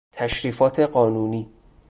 تشریفات قانونی